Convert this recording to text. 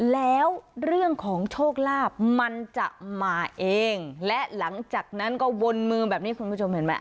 แล้วเรื่องของโชคลาภมันจะมาเองและหลังจากนั้นก็วนมือแบบนี้คุณผู้ชมเห็นไหม